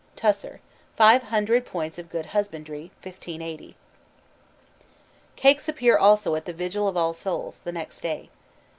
TUSSER: Five Hundred Points of Good Husbandry, 1580. Cakes appear also at the vigil of All Souls', the next day.